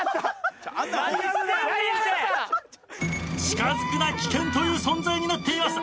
「近づくな危険」という存在になっています。